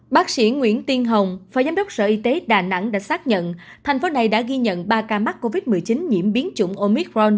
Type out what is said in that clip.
bác sĩ nguyễn tiên hồng phó giám đốc sở y tế đà nẵng đã xác nhận thành phố này đã ghi nhận ba ca mắc covid một mươi chín nhiễm biến chủng omicron